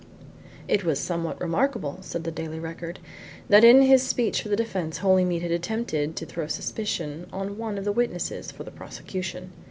It was somewhat remarkable, said the Daily Record, that in his speech for the defence Holymead had attempted to throw suspicion on one of the witnesses for the prosecution.